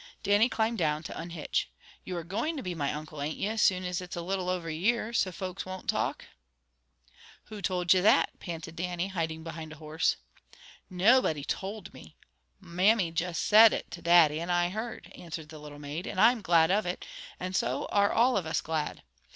Dannie climbed down to unhitch. "You are goin' to be my Uncle, ain't you, as soon as it's a little over a year, so folks won't talk?" "Who told ye that?" panted Dannie, hiding behind a horse. "Nobody told me! Mammy just SAID it to Daddy, and I heard," answered the little maid. "And I'm glad of it, and so are all of us glad.